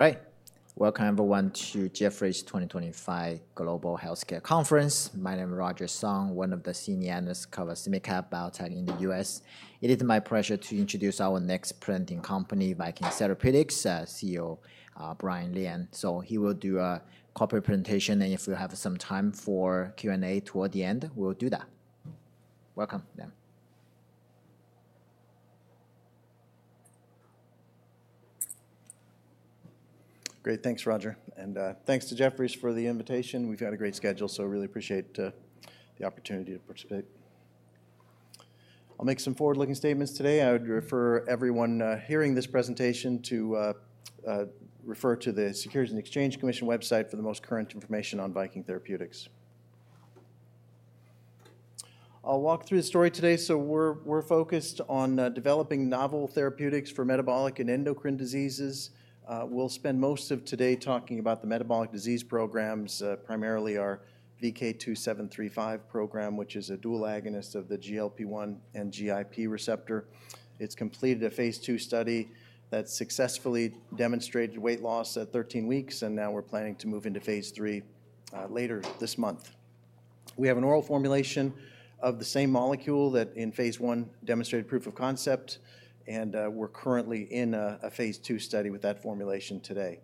Hi. Welcome, everyone, to Jefferies 2025 Global Healthcare Conference. My name is Roger Song, one of the senior analysts covering SMID-Cap Biotech in the U.S.. It is my pleasure to introduce our next presenting company, Viking Therapeutics, CEO Brian Lian. He will do a corporate presentation, and if we have some time for Q&A toward the end, we'll do that. Welcome, then. Great. Thanks, Roger. Thanks to Jefferies for the invitation. We've got a great schedule, so I really appreciate the opportunity to participate. I'll make some forward-looking statements today. I would refer everyone hearing this presentation to refer to the Securities and Exchange Commission website for the most current information on Viking Therapeutics. I'll walk through the story today. We're focused on developing novel therapeutics for metabolic and endocrine diseases. We'll spend most of today talking about the metabolic disease programs, primarily our VK2735 program, which is a dual agonist of the GLP-1 and GIP receptor. It's completed a phase II study that successfully demonstrated weight loss at 13 weeks, and now we're planning to move into phase III later this month. We have an oral formulation of the same molecule that in phase I demonstrated proof of concept, and we're currently in a phase II study with that formulation today.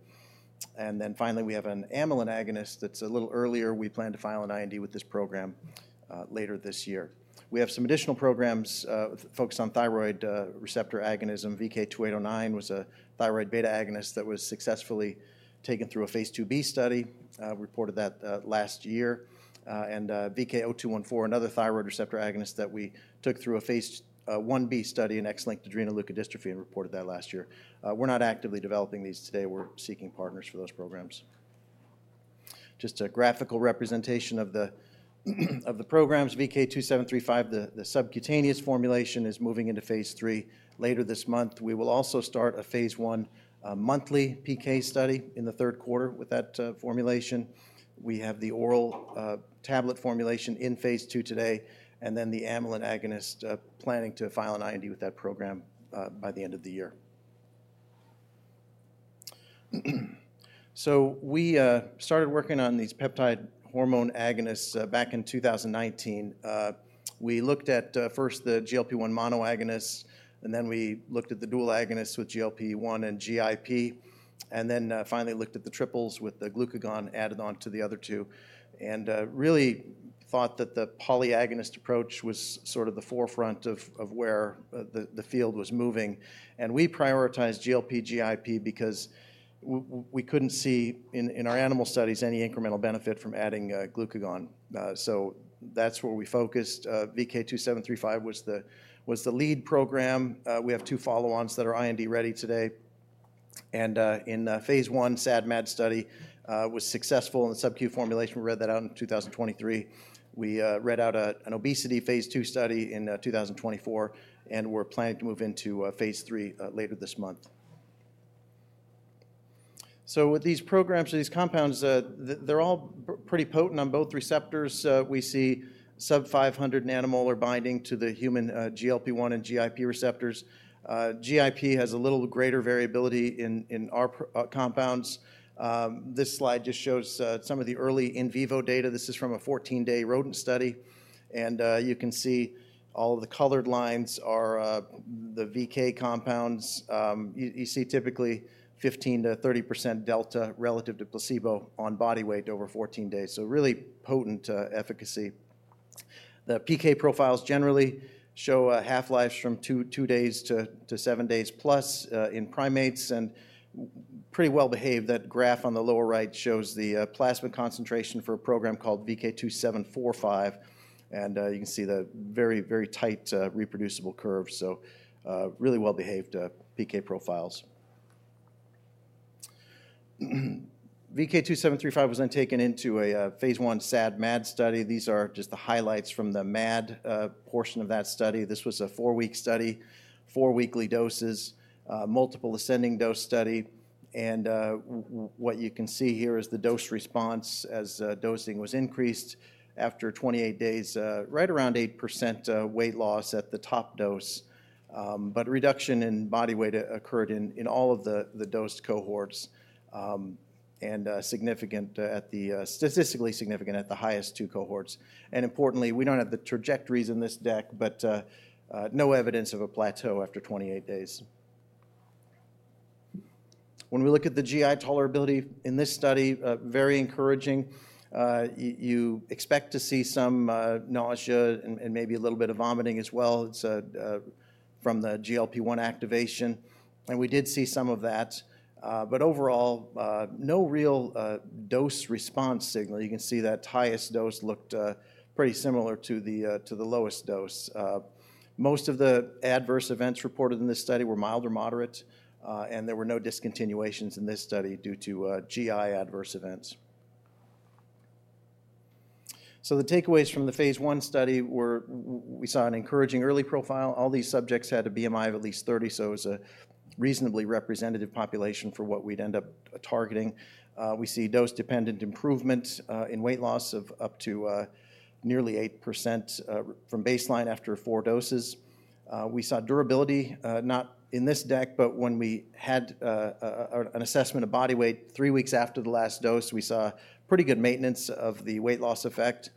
Finally, we have an amylin agonist that's a little earlier. We plan to file an IND with this program later this year. We have some additional programs focused on thyroid receptor agonism. VK2809 was a thyroid beta agonist that was successfully taken through a phase II-B study, reported that last year. VK0214, another thyroid receptor agonist that we took through a phase I-B study in X-linked adrenoleukodystrophy, and reported that last year. We're not actively developing these today. We're seeking partners for those programs. Just a graphical representation of the programs. VK2735, the subcutaneous formulation, is moving into phase III later this month. We will also start a phase I monthly PK study in the third quarter with that formulation. We have the oral tablet formulation in phase II today, and then the amylin agonist planning to file an IND with that program by the end of the year. We started working on these peptide hormone agonists back in 2019. We looked at first the GLP-1 monoagonists, and then we looked at the dual agonists with GLP-1 and GIP, and then finally looked at the triples with the glucagon added on to the other two, and really thought that the polyagonist approach was sort of the forefront of where the field was moving. We prioritized GLP-GIP because we could not see in our animal studies any incremental benefit from adding glucagon. That is where we focused. VK2735 was the lead program. We have two follow-ons that are IND ready today. In phase I, SAD/MAD study was successful in the SubQ formulation. We read that out in 2023. We read out an obesity phase II study in 2024, and we're planning to move into phase III later this month. With these programs or these compounds, they're all pretty potent on both receptors. We see sub-500 nanomolar binding to the human GLP-1 and GIP receptors. GIP has a little greater variability in our compounds. This slide just shows some of the early in vivo data. This is from a 14-day rodent study. You can see all of the colored lines are the VK compounds. You see typically 15-30% delta relative to placebo on body weight over 14 days. Really potent efficacy. The PK profiles generally show half-lives from two days to seven days plus in primates, and pretty well-behaved. That graph on the lower right shows the plasma concentration for a program called VK2745. And you can see the very, very tight reproducible curve. So really well-behaved PK profiles. VK2735 was then taken into a phase I SAD/MAD study. These are just the highlights from the MAD portion of that study. This was a four-week study, four weekly doses, multiple ascending dose study. And what you can see here is the dose response as dosing was increased. After 28 days, right around 8% weight loss at the top dose. But reduction in body weight occurred in all of the dosed cohorts and significant at the statistically significant at the highest two cohorts. And importantly, we don't have the trajectories in this deck, but no evidence of a plateau after 28 days. When we look at the GI tolerability in this study, very encouraging. You expect to see some nausea and maybe a little bit of vomiting as well from the GLP-1 activation. We did see some of that. Overall, no real dose response signal. You can see that highest dose looked pretty similar to the lowest dose. Most of the adverse events reported in this study were mild or moderate, and there were no discontinuations in this study due to GI adverse events. The takeaways from the phase I study were we saw an encouraging early profile. All these subjects had a BMI of at least 30, so it was a reasonably representative population for what we'd end up targeting. We see dose-dependent improvement in weight loss of up to nearly 8% from baseline after four doses. We saw durability, not in this deck, but when we had an assessment of body weight three weeks after the last dose, we saw pretty good maintenance of the weight loss effect.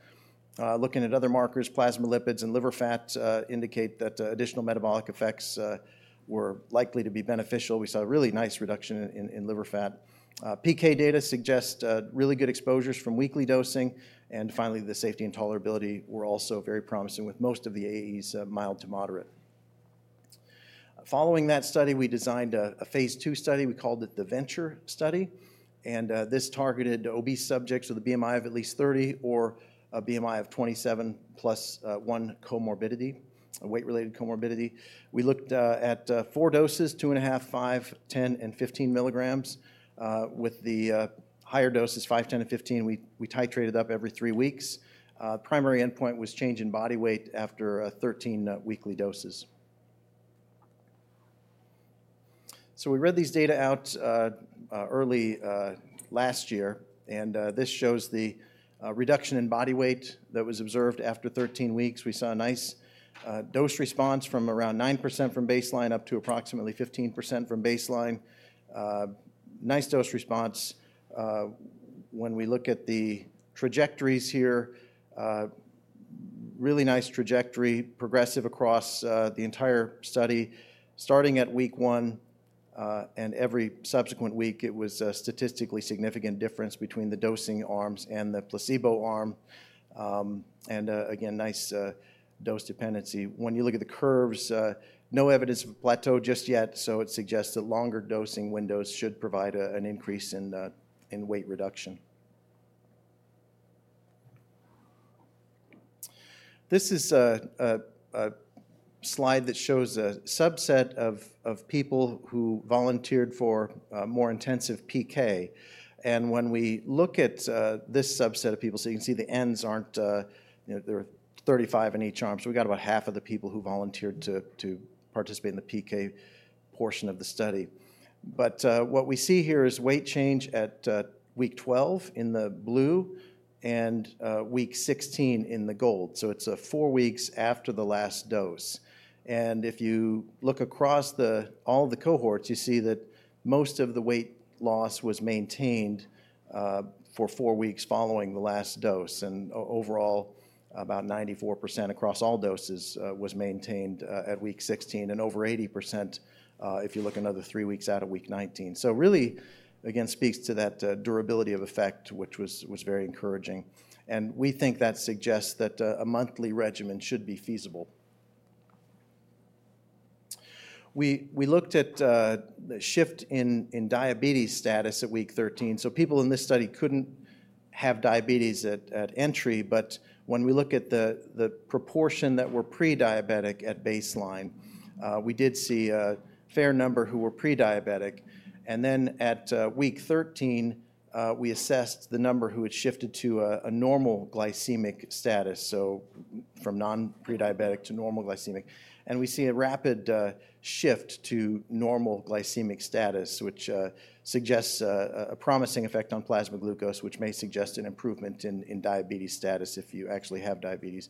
Looking at other markers, plasma lipids and liver fat indicate that additional metabolic effects were likely to be beneficial. We saw a really nice reduction in liver fat. PK data suggest really good exposures from weekly dosing. Finally, the safety and tolerability were also very promising with most of the AEs mild to moderate. Following that study, we designed a phase II study. We called it the VENTURE study. This targeted obese subjects with a BMI of at least 30 or a BMI of 27 plus one comorbidity, a weight-related comorbidity. We looked at four doses, 2.5, 5, 10, and 15. With the higher doses, 5, 10, and 15, we titrated up every three weeks. Primary endpoint was change in body weight after 13 weekly doses. We read these data out early last year, and this shows the reduction in body weight that was observed after 13 weeks. We saw a nice dose response from around 9% from baseline up to approximately 15% from baseline. Nice dose response. When we look at the trajectories here, really nice trajectory, progressive across the entire study. Starting at week one and every subsequent week, it was a statistically significant difference between the dosing arms and the placebo arm. Again, nice dose dependency. When you look at the curves, no evidence of a plateau just yet, so it suggests that longer dosing windows should provide an increase in weight reduction. This is a slide that shows a subset of people who volunteered for more intensive PK. When we look at this subset of people, you can see the ends aren't there are 35 in each arm, so we got about 1/2 of the people who volunteered to participate in the PK portion of the study. What we see here is weight change at week 12 in the blue and week 16 in the gold. It's four weeks after the last dose. If you look across all the cohorts, you see that most of the weight loss was maintained for four weeks following the last dose. Overall, about 94% across all doses was maintained at week 16, and over 80% if you look another three weeks out at week 19. This really, again, speaks to that durability of effect, which was very encouraging. We think that suggests that a monthly regimen should be feasible. We looked at the shift in diabetes status at week 13. People in this study could not have diabetes at entry, but when we look at the proportion that were pre-diabetic at baseline, we did see a fair number who were pre-diabetic. At week 13, we assessed the number who had shifted to a normal glycemic status, so from pre-diabetic to normal glycemic. We see a rapid shift to normal glycemic status, which suggests a promising effect on plasma glucose, which may suggest an improvement in diabetes status if you actually have diabetes.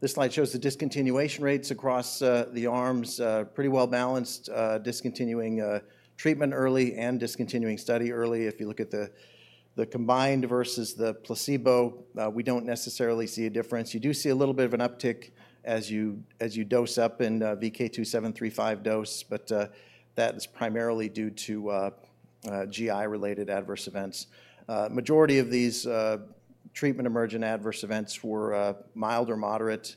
This slide shows the discontinuation rates across the arms, pretty well balanced, discontinuing treatment early and discontinuing study early. If you look at the combined versus the placebo, we do not necessarily see a difference. You do see a little bit of an uptick as you dose up in VK2735 dose, but that is primarily due to GI-related adverse events. Majority of these treatment-emergent adverse events were mild or moderate.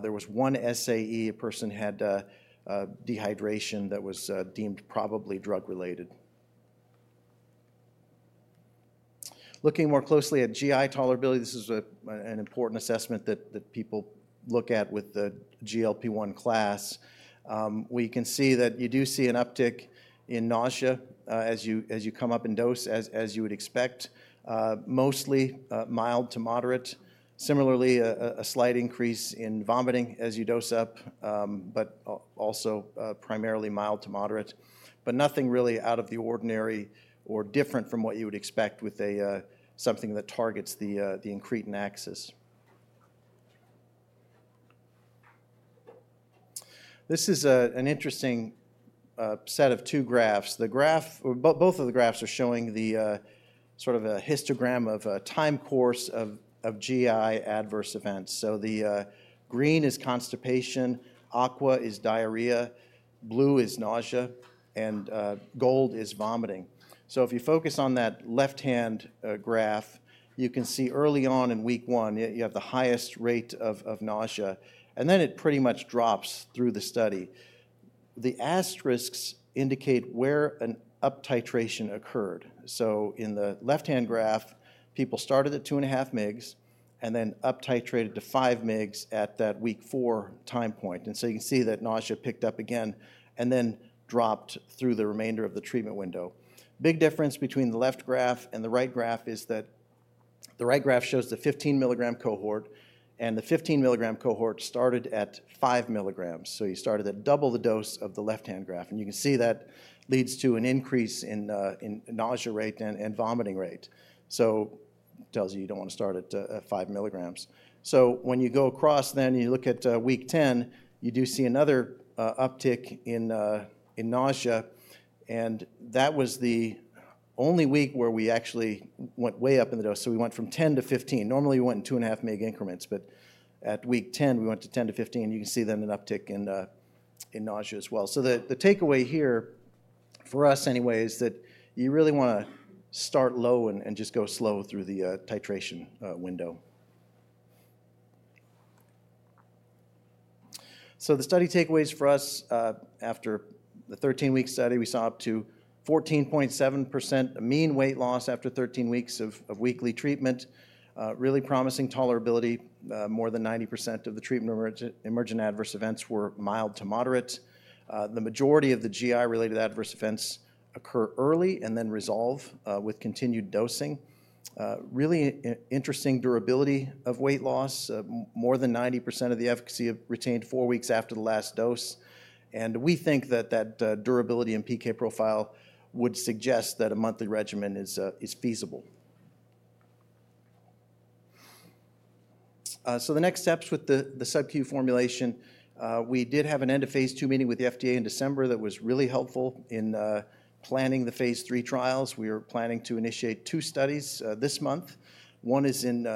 There was one SAE, a person had dehydration that was deemed probably drug-related. Looking more closely at GI tolerability, this is an important assessment that people look at with the GLP-1 class. We can see that you do see an uptick in nausea as you come up in dose, as you would expect, mostly mild to moderate. Similarly, a slight increase in vomiting as you dose up, but also primarily mild to moderate, but nothing really out of the ordinary or different from what you would expect with something that targets the incretin axis. This is an interesting set of two graphs. Both of the graphs are showing the sort of a histogram of a time course of GI adverse events. The green is constipation, aqua is diarrhea, blue is nausea, and gold is vomiting. If you focus on that left-hand graph, you can see early on in week one, you have the highest rate of nausea, and then it pretty much drops through the study. The asterisks indicate where an up-titration occurred. In the left-hand graph, people started at 2.5 mg and then up-titrated to 5 mg at that week four time point. You can see that nausea picked up again and then dropped through the remainder of the treatment window. The big difference between the left graph and the right graph is that the right graph shows the 15 mg cohort, and the 15 mg cohort started at 5 mg. You started at double the dose of the left-hand graph. You can see that leads to an increase in nausea rate and vomiting rate. It tells you you do not want to start at 5 mg. When you go across, then you look at week 10, you do see another uptick in nausea. That was the only week where we actually went way up in the dose. We went from 10-15. Normally, we went in 2.5 mg increments, but at week 10, we went to 10-15. You can see then an uptick in nausea as well. The takeaway here for us anyway is that you really want to start low and just go slow through the titration window. The study takeaways for us after the 13-week study, we saw up to 14.7% mean weight loss after 13 weeks of weekly treatment, really promising tolerability. More than 90% of the treatment-emergent adverse events were mild to moderate. The majority of the GI-related adverse events occur early and then resolve with continued dosing. Really interesting durability of weight loss, more than 90% of the efficacy retained four weeks after the last dose. We think that that durability and PK profile would suggest that a monthly regimen is feasible. The next steps with the SubQ formulation, we did have an end of phase II meeting with the FDA in December that was really helpful in planning the phase III trials. We are planning to initiate two studies this month. One is in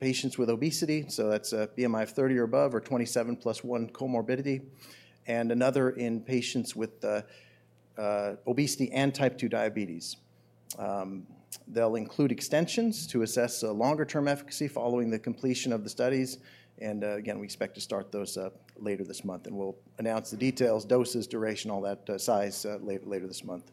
patients with obesity, so that's a BMI of 30 or above or 27 plus one comorbidity. Another in patients with obesity and type 2 diabetes. They will include extensions to assess longer-term efficacy following the completion of the studies. We expect to start those later this month. We will announce the details, doses, duration, all that size later this month.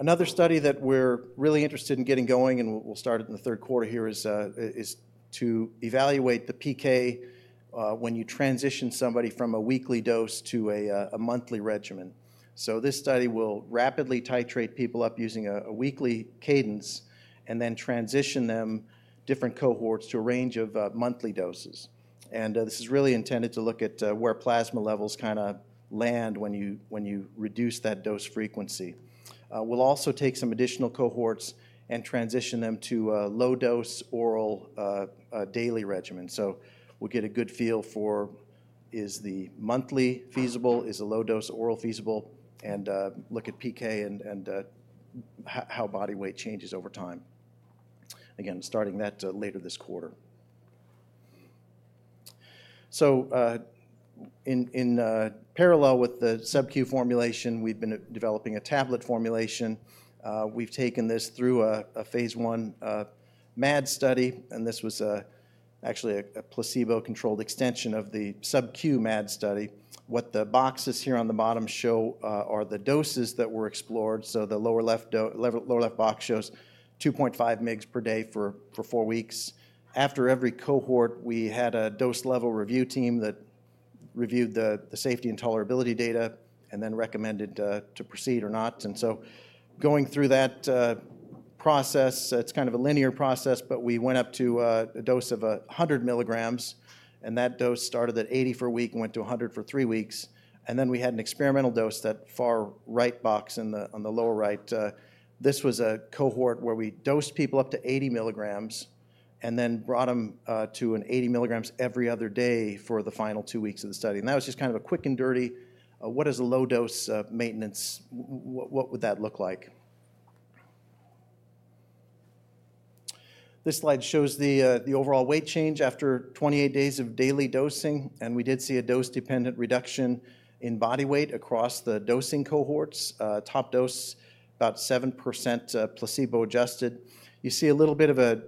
Another study that we are really interested in getting going, and we will start it in the third quarter here, is to evaluate the PK when you transition somebody from a weekly dose to a monthly regimen. This study will rapidly titrate people up using a weekly cadence and then transition them, different cohorts, to a range of monthly doses. This is really intended to look at where plasma levels kind of land when you reduce that dose frequency. We will also take some additional cohorts and transition them to a low-dose oral daily regimen. We'll get a good feel for is the monthly feasible, is a low-dose oral feasible, and look at PK and how body weight changes over time. Again, starting that later this quarter. In parallel with the SubQ formulation, we've been developing a tablet formulation. We've taken this through a phase I MAD study, and this was actually a placebo-controlled extension of the SubQ MAD study. What the boxes here on the bottom show are the doses that were explored. The lower left box shows 2.5 mg per day for four weeks. After every cohort, we had a dose level review team that reviewed the safety and tolerability data and then recommended to proceed or not. Going through that process, it's kind of a linear process, but we went up to a dose of 100 mg, and that dose started at 80 for a week and went to 100 for three weeks. We had an experimental dose, that far right box on the lower right. This was a cohort where we dosed people up to 80 mg and then brought them to 80 mg every other day for the final two weeks of the study. That was just kind of a quick and dirty, what is a low-dose maintenance, what would that look like? This slide shows the overall weight change after 28 days of daily dosing. We did see a dose-dependent reduction in body weight across the dosing cohorts. Top dose, about 7% placebo-adjusted. You see a little bit of a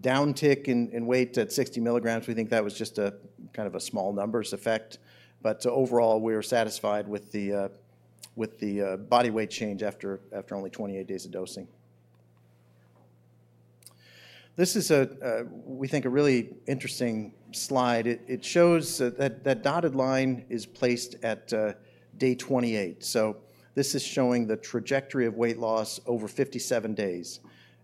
downtick in weight at 60 mg. We think that was just kind of a small numbers effect. But overall, we were satisfied with the body weight change after only 28 days of dosing. This is, we think, a really interesting slide. It shows that that dotted line is placed at day 28. So this is showing the trajectory of weight loss over 57 days.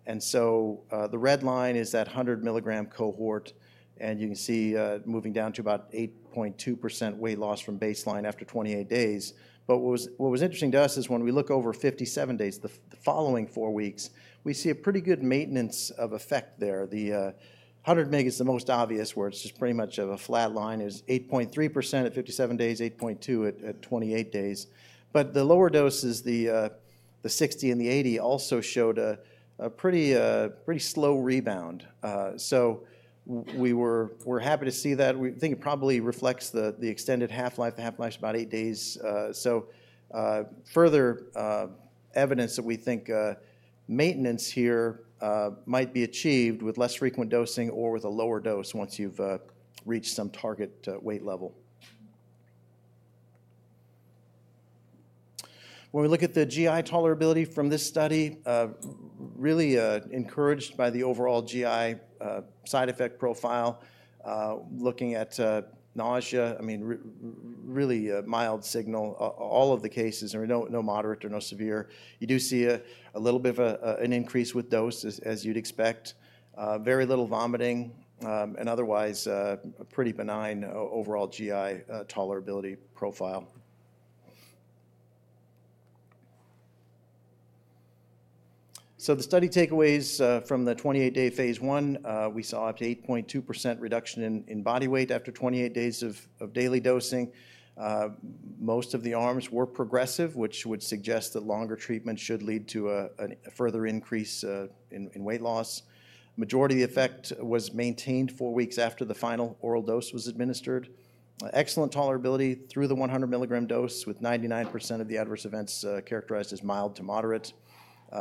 And so the red line is that 100 mg cohort, and you can see moving down to about 8.2% weight loss from baseline after 28 days. But what was interesting to us is when we look over 57 days, the following four weeks, we see a pretty good maintenance of effect there. The 100 mg is the most obvious where it's just pretty much of a flat line, is 8.3% at 57 days, 8.2% at 28 days. But the lower doses, the 60 and the 80, also showed a pretty slow rebound. We were happy to see that. We think it probably reflects the extended half-life. The half-life is about eight days. Further evidence that we think maintenance here might be achieved with less frequent dosing or with a lower dose once you've reached some target weight level. When we look at the GI tolerability from this study, really encouraged by the overall GI side effect profile, looking at nausea, I mean, really mild signal all of the cases, no moderate or no severe. You do see a little bit of an increase with dose, as you'd expect. Very little vomiting and otherwise a pretty benign overall GI tolerability profile. The study takeaways from the 28-day phase I, we saw up to 8.2% reduction in body weight after 28 days of daily dosing. Most of the arms were progressive, which would suggest that longer treatment should lead to a further increase in weight loss. Majority of the effect was maintained four weeks after the final oral dose was administered. Excellent tolerability through the 100 mg dose with 99% of the adverse events characterized as mild to moderate.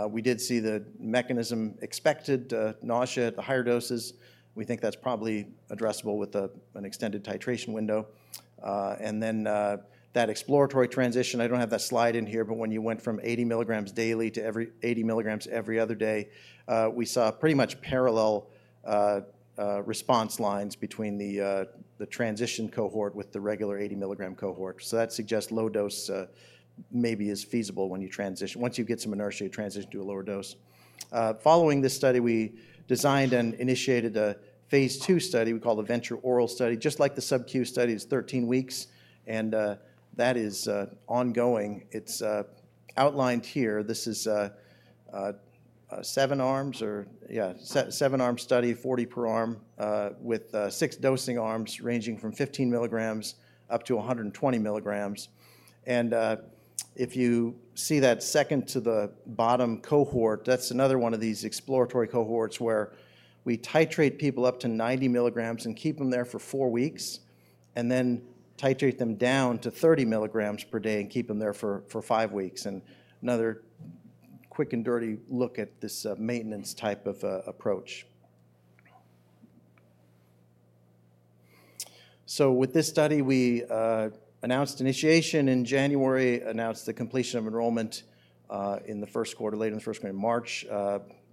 We did see the mechanism expected nausea at the higher doses. We think that's probably addressable with an extended titration window. That exploratory transition, I don't have that slide in here, but when you went from 80 mg daily to 80 mg every other day, we saw pretty much parallel response lines between the transition cohort with the regular 80 mg cohort. That suggests low dose maybe is feasible when you transition. Once you get some inertia, you transition to a lower dose. Following this study, we designed and initiated a phase II study we call the VENTURE-Oral study, just like the SubQ study, is 13 weeks, and that is ongoing. It's outlined here. This is a seven-arm or yeah, seven-arm study, 40 per arm with six dosing arms ranging from 15 mg-120 mg. If you see that second to the bottom cohort, that's another one of these exploratory cohorts where we titrate people up to 90 mg and keep them there for four weeks and then titrate them down to 30 mg per day and keep them there for five weeks. Another quick and dirty look at this maintenance type of approach. With this study, we announced initiation in January, announced the completion of enrollment in the first quarter, late in the first quarter in March,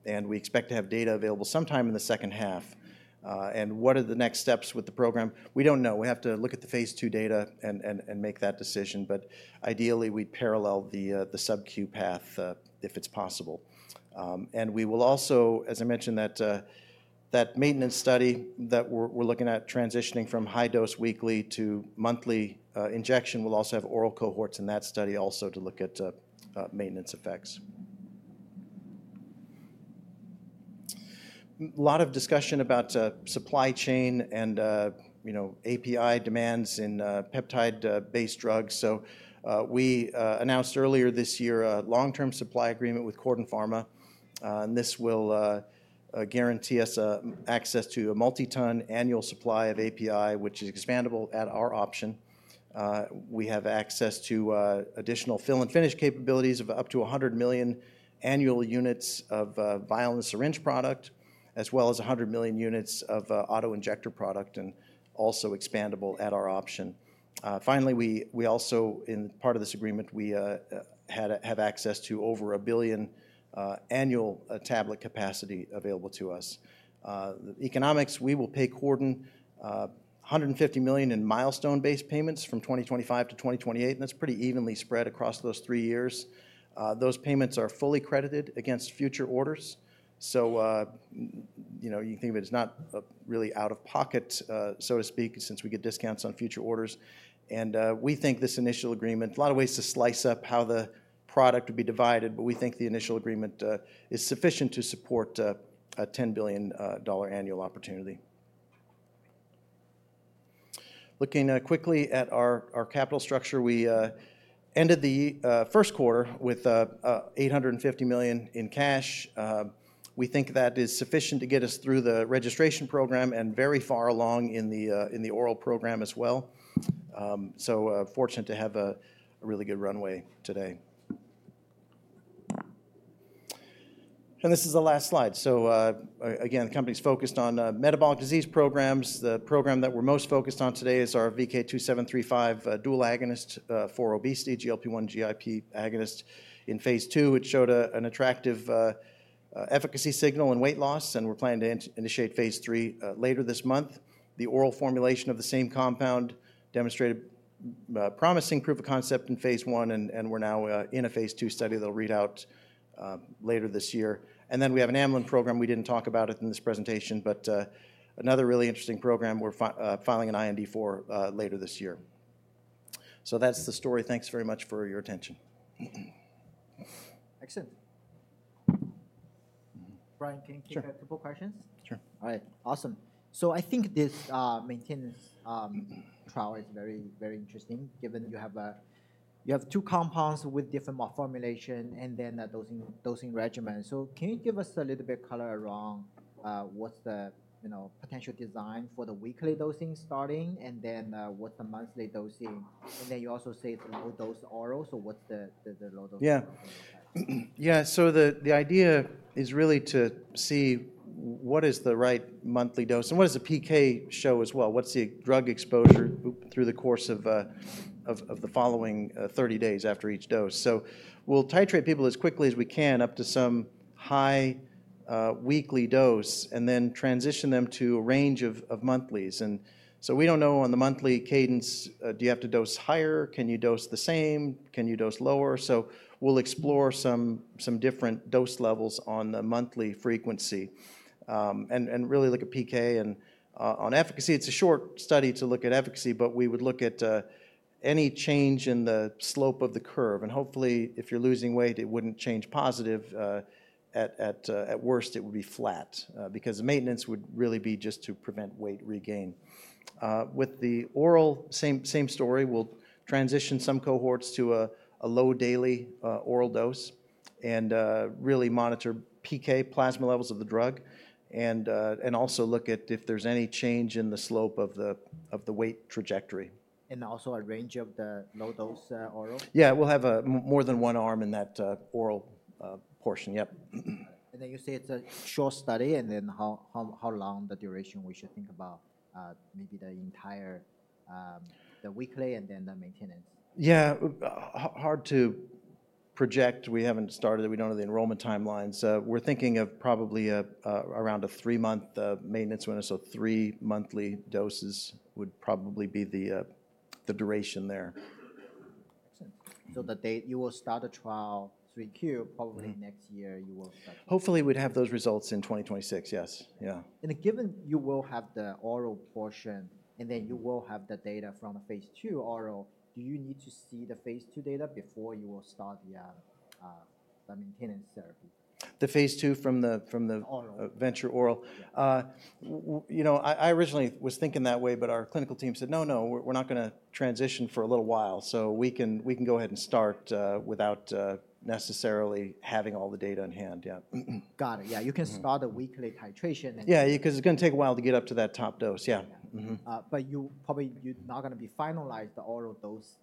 and we expect to have data available sometime in the second half. What are the next steps with the program? We don't know. We have to look at the phase II data and make that decision. Ideally, we'd parallel the SubQ path if it's possible. We will also, as I mentioned, that maintenance study that we're looking at transitioning from high dose weekly to monthly injection, we'll also have oral cohorts in that study also to look at maintenance effects. A lot of discussion about supply chain and API demands in peptide-based drugs. We announced earlier this year a long-term supply agreement with CordenPharma. This will guarantee us access to a multi-ton annual supply of API, which is expandable at our option. We have access to additional fill and finish capabilities of up to 100 million annual units of vial and syringe product, as well as 100 million units of auto injector product and also expandable at our option. Finally, we also, in part of this agreement, have access to over 1 billion annual tablet capacity available to us. Economics, we will pay Corden $150 million in milestone-based payments from 2025-2028, and that's pretty evenly spread across those three years. Those payments are fully credited against future orders. You can think of it as not really out of pocket, so to speak, since we get discounts on future orders. We think this initial agreement, a lot of ways to slice up how the product would be divided, but we think the initial agreement is sufficient to support a $10 billion annual opportunity. Looking quickly at our capital structure, we ended the first quarter with $850 million in cash. We think that is sufficient to get us through the registration program and very far along in the oral program as well. Fortunate to have a really good runway today. This is the last slide. Again, the company's focused on metabolic disease programs. The program that we're most focused on today is our VK2735 dual agonist for obesity, GLP-1, GIP agonist in phase III. It showed an attractive efficacy signal in weight loss, and we're planning to initiate phase III later this month. The oral formulation of the same compound demonstrated promising proof of concept in phase I, and we're now in a phase II study that we'll read out later this year. We have an amylin agonist program. We didn't talk about it in this presentation, but another really interesting program we're filing an IND for later this year. That's the story. Thanks very much for your attention. Excellent. Brian, can you take a couple of questions? Sure. All right. Awesome. I think this maintenance trial is very, very interesting given you have two compounds with different formulation and then a dosing regimen. Can you give us a little bit color around what's the potential design for the weekly dosing starting and then what's the monthly dosing? You also say it's low dose oral. What's the low dose? Yeah. Yeah. The idea is really to see what is the right monthly dose and what does the PK show as well? What's the drug exposure through the course of the following 30 days after each dose? We'll titrate people as quickly as we can up to some high weekly dose and then transition them to a range of monthlies. We don't know on the monthly cadence, do you have to dose higher? Can you dose the same? Can you dose lower? We'll explore some different dose levels on the monthly frequency and really look at PK and on efficacy. It's a short study to look at efficacy, but we would look at any change in the slope of the curve. Hopefully, if you're losing weight, it wouldn't change positive. At worst, it would be flat because maintenance would really be just to prevent weight regain. With the oral, same story. We'll transition some cohorts to a low daily oral dose and really monitor PK plasma levels of the drug and also look at if there's any change in the slope of the weight trajectory. Also a range of the low dose oral? Yeah. We'll have more than one arm in that oral portion. Yep. You say it's a short study and then how long the duration we should think about, maybe the entire weekly and then the maintenance? Yeah. Hard to project. We haven't started it. We don't have the enrollment timelines. We're thinking of probably around a three-month maintenance window. So three monthly doses would probably be the duration there. That you will start a trial 3Q, probably next year you will start. Hopefully, we'd have those results in 2026. Yes. Yeah. Given you will have the oral portion and then you will have the data from the phase II oral, do you need to see the phase II data before you will start the maintenance therapy? The phase II from the. Oral. VENTURE-Oral. I originally was thinking that way, but our clinical team said, "No, no, we're not going to transition for a little while." So we can go ahead and start without necessarily having all the data in hand. Yeah. Got it. Yeah. You can start the weekly titration. Yeah. Because it's going to take a while to get up to that top dose. Yeah. You're probably not going to be finalized the oral dose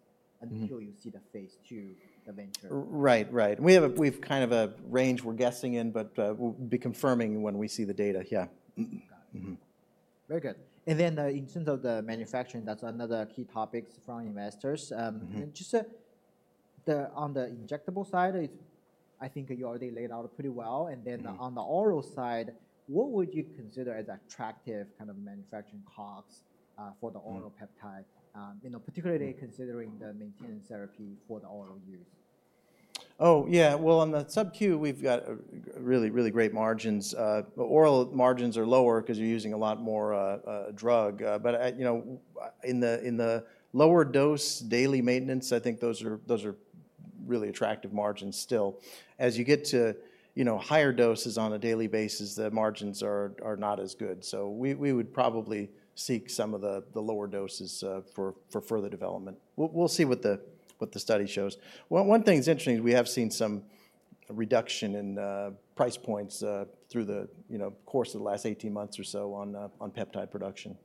until you see the phase II VENTURE. Right. Right. We have kind of a range we're guessing in, but we'll be confirming when we see the data. Yeah. Very good. In terms of the manufacturing, that's another key topic from investors. Just on the injectable side, I think you already laid out pretty well. In terms of the oral side, what would you consider as attractive kind of manufacturing costs for the oral peptide, particularly considering the maintenance therapy for the oral use? Oh, yeah. On the SubQ, we've got really, really great margins. Oral margins are lower because you're using a lot more drug. In the lower dose daily maintenance, I think those are really attractive margins still. As you get to higher doses on a daily basis, the margins are not as good. We would probably seek some of the lower doses for further development. We'll see what the study shows. One thing that's interesting is we have seen some reduction in price points through the course of the last 18 months or so on peptide production.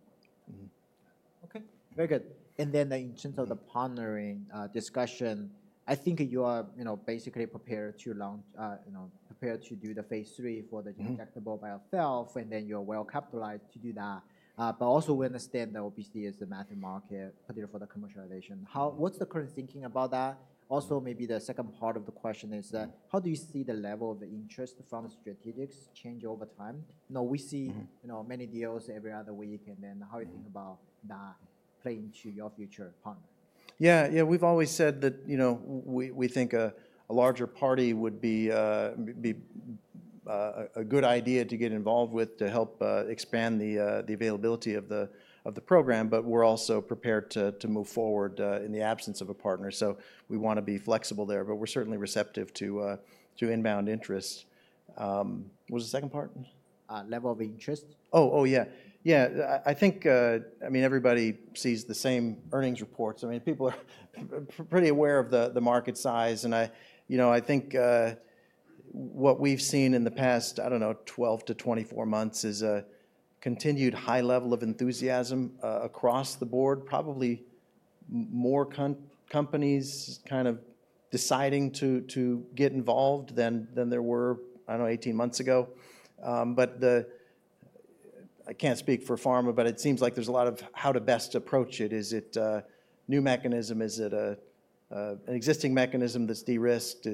Okay. Very good. In terms of the partnering discussion, I think you are basically prepared to do the phase III for the injectable by itself, and then you're well capitalized to do that. Also, we understand that obesity is a massive market for the commercialization. What's the current thinking about that? Maybe the second part of the question is how do you see the level of interest from the strategics change over time? We see many deals every other week. How do you think about that playing to your future partner? Yeah. Yeah. We've always said that we think a larger party would be a good idea to get involved with to help expand the availability of the program, but we're also prepared to move forward in the absence of a partner. We want to be flexible there, but we're certainly receptive to inbound interest. What was the second part? Level of interest. Oh, oh yeah. Yeah. I think, I mean, everybody sees the same earnings reports. I mean, people are pretty aware of the market size. I think what we've seen in the past, I don't know, 12-24 months is a continued high level of enthusiasm across the board, probably more companies kind of deciding to get involved than there were, I don't know, 18 months ago. I can't speak for pharma, but it seems like there's a lot of how to best approach it. Is it a new mechanism? Is it an existing mechanism that's de-risked?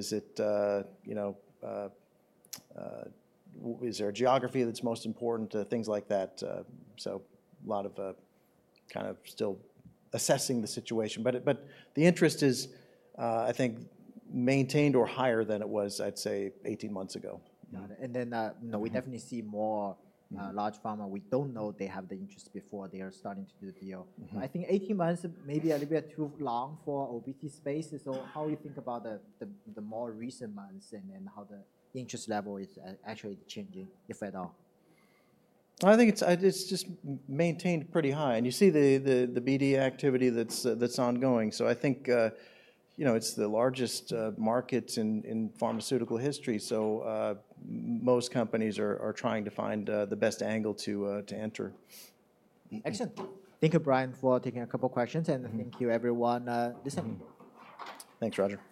Is there a geography that's most important? Things like that. A lot of kind of still assessing the situation. The interest is, I think, maintained or higher than it was, I'd say, 18 months ago. Got it. We definitely see more large pharma. We do not know they have the interest before they are starting to do the deal. I think 18 months may be a little bit too long for obesity space. How do you think about the more recent months and then how the interest level is actually changing, if at all? I think it's just maintained pretty high. You see the BD activity that's ongoing. I think it's the largest market in pharmaceutical history. Most companies are trying to find the best angle to enter. Excellent. Thank you, Brian, for taking a couple of questions. Thank you, everyone, listening. Thanks, Roger.